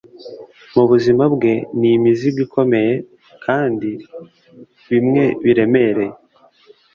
mubuzima bwe ni imizigo ikomeye, kandi bimwe biremereye: